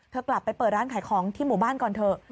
กลับไปเปิดร้านขายของที่หมู่บ้านก่อนเถอะ